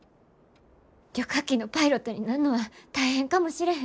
旅客機のパイロットになんのは大変かもしれへん。